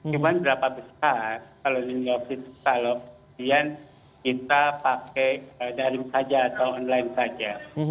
cuma berapa besar kalau learning loss itu kalau kemudian kita pakai dari saja atau online saja